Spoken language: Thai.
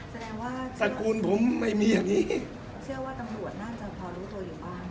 แสดงว่าสกุลผมไม่มีอย่างนี้เชื่อว่าตำรวจน่าจะพอรู้ตัวอยู่บ้าง